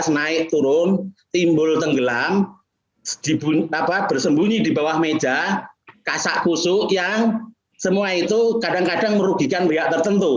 naik turun timbul tenggelam bersembunyi di bawah meja kasak kusuk yang semua itu kadang kadang merugikan pihak tertentu